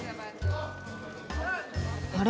あれ？